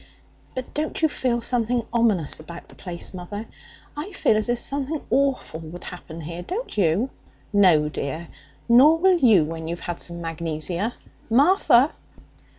'But don't you feel something ominous about the place, mother? I feel as if something awful would happen here, don't you?' 'No, dear. Nor will you when you've had some magnesia. Martha!'